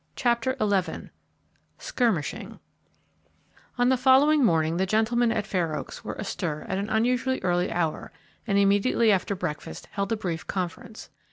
CHAPTER XI SKIRMISHING On the following morning the gentlemen at Fair Oaks were astir at an unusually early hour, and immediately after breakfast held a brief conference.